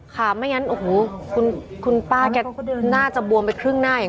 ไม่งั้นโอ้โหคุณป้าแกน่าจะบวมไปครึ่งหน้าอย่าง